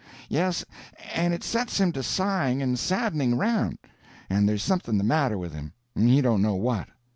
Yes, and it sets him to sighing and saddening around, and there's something the matter with him, he don't know what.